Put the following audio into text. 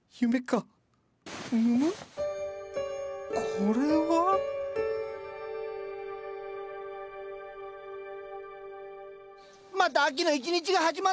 これは？また秋の一日が始まった。